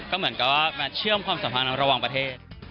ก็เหมือนกับว่ามาเชื่อมความสำคัญของเราระวังประเทศ